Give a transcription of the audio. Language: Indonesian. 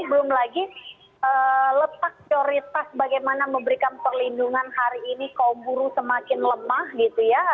belum lagi letak prioritas bagaimana memberikan perlindungan hari ini kaum buruh semakin lemah gitu ya